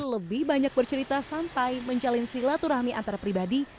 lebih banyak bercerita sampai menjalin silaturahmi antar pribadi